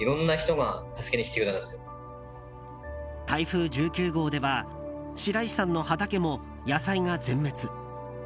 台風１９号では白石さんの畑も野菜が全滅。